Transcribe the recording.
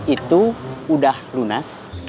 itu udah lunas